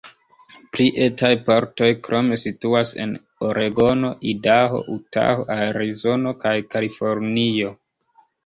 Pli etaj partoj krome situas en Oregono, Idaho, Utaho, Arizono kaj Kalifornio.